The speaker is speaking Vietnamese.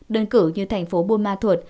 đơn cử như thành phố buôn ma thuột